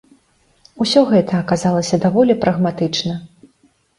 Усё гэта аказалася даволі прагматычна.